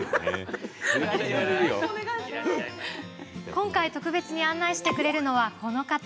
今回、特別に案内してくれるのはこの方。